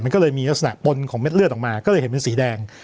มันก็เลยมีลักษณะปนของเม็ดเลือดออกมาก็เลยเห็นเป็นสีแดง